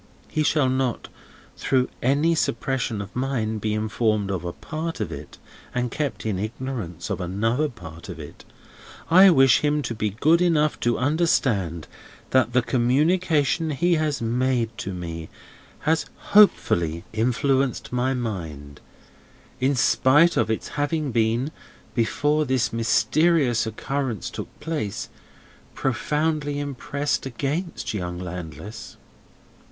He shall not, through any suppression of mine, be informed of a part of it, and kept in ignorance of another part of it. I wish him to be good enough to understand that the communication he has made to me has hopefully influenced my mind, in spite of its having been, before this mysterious occurrence took place, profoundly impressed against young Landless."